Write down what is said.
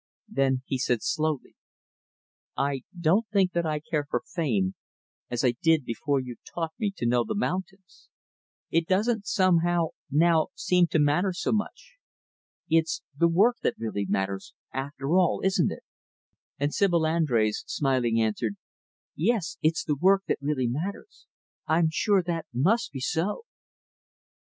Then he said slowly, "I don't think that I care for fame as I did before you taught me to know the mountains. It doesn't, somehow, now, seem to matter so much. It's the work that really matters after all isn't it?" And Sibyl Andrés, smiling, answered, "Yes, it's the work that really matters. I'm sure that must be so."